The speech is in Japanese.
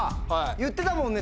言ってたもんね